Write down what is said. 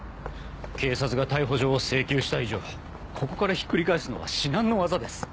警察が逮捕状を請求した以上ここからひっくり返すのは至難の業です。